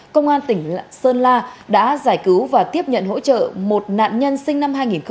công an tỉnh sơn la đã giải cứu và tiếp nhận hỗ trợ một nạn nhân sinh năm hai nghìn